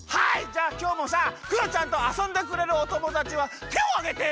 じゃあきょうもさクヨちゃんとあそんでくれるおともだちはてをあげて！